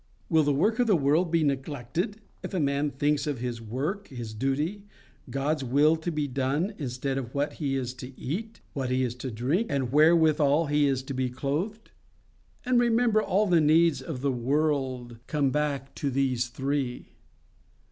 Will the work of the world be neglected if a man thinks of his work, his duty, God's will to be done, instead of what he is to eat, what he is to drink, and wherewithal he is to be clothed? And remember all the needs of the world come back to these three.